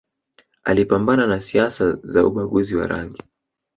Alipambana na siasa za ubaguzi wa rangi